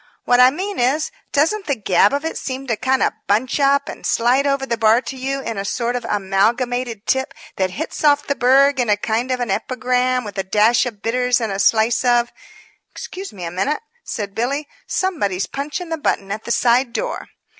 What I mean is, doesn't the gab of it seem to kind of bunch up and slide over the bar to you in a sort of amalgamated tip that hits off the burg in a kind of an epigram with a dash of bitters and a slice of " "Excuse me a minute," said Billy, "somebody's punching the button at the side door."